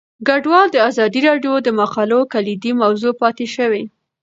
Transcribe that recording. کډوال د ازادي راډیو د مقالو کلیدي موضوع پاتې شوی.